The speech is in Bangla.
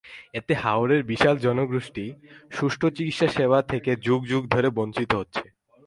এতে হাওরের বিশাল জনগোষ্ঠী সুষ্ঠু চিকিৎসাসেবা থেকে যুগ যুগ ধরে বঞ্চিত হচ্ছে।